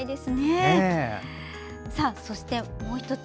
そして、もう１つ。